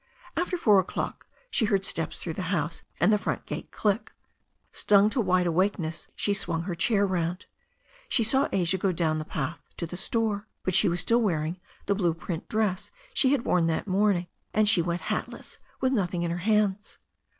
After four o'clock she heard steps through the house and the front gate click. Stung to wide awakeness she swung her chair round. She saw Asia go down the path to the store. But she was still wearing the blue print dress she had worn that morning, and she went hatless, with nothing in her hands.